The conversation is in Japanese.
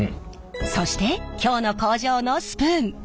そして今日の工場のスプーン。